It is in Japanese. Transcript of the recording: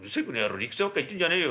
理屈ばっか言ってんじゃねえよ」。